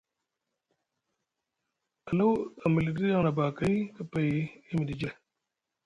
Alaw a miliɗi aŋ abakay ɓa kapay e miɗi jre.